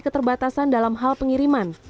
keterbatasan dalam hal pengiriman